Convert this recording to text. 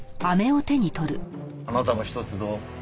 あなたも１つどう？